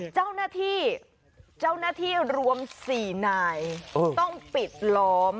เจ้าหน้าที่รวม๔นายต้องปิดล้อม